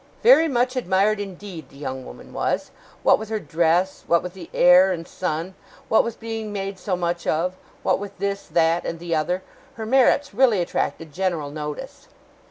'Very much admired, indeed, the young woman was. What with her dress; what with the air and sun; what with being made so much of; what with this, that, and the other; her merits really attracted general notice.